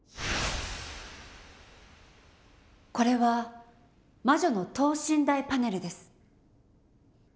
これは魔女の等身大パネルです。